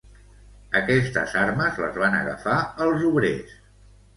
Aquestes armes les van agafar els obrers.